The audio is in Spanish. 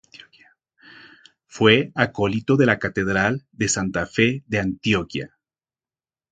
Fue acólito de la Catedral de Santa Fe de Antioquia.